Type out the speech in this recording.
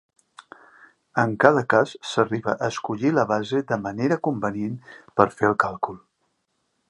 En cada cas, s'arriba a escollir la base de manera convenient per fer el càlcul.